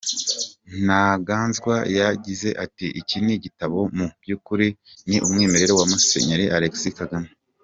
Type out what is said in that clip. Ntaganzwa yagize ati: “Iki gitabo mu by’ukuri ni umwimerere wa Musenyeri Alexis Kagame.